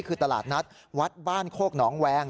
คือตลาดนัดวัดบ้านโคกหนองแวง